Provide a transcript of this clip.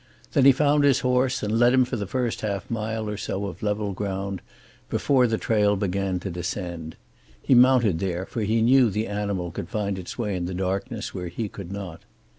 Then he found his horse and led him for the first half mile or so of level ground before the trail began to descend. He mounted there, for he knew the animal could find its way in the darkness where he could not.